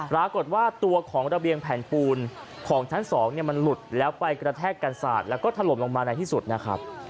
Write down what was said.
ปรากฏว่าตัวของระเบียงแผ่นปูนของชั้น๒มันหลุดแล้วไปกระแทกกันสาดแล้วก็ถล่มลงมาในที่สุดนะครับ